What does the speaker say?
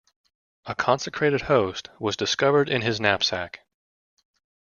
A consecrated Host was discovered in his knapsack.